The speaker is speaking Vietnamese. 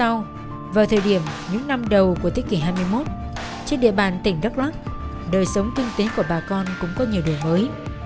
gần chục năm sau vào thời điểm những năm đầu của thế kỷ hai mươi một trên địa bàn tỉnh đắk lắc đời sống kinh tế của bà con cũng có nhiều đời mới